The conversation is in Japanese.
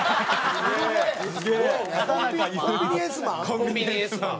『コンビニエンスマン』？